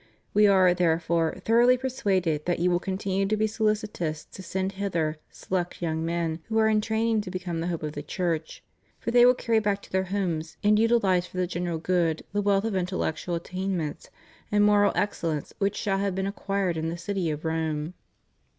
We are, therefore, thoroughly persuaded that }^ou will continue to be solicitous to send hither select young men who are in training to become the hope of the Church. For they will carry back to their homes and utilize for the general good the wealth of intellectual attainments and moral excellence which they shall have acquired in the city of Rome.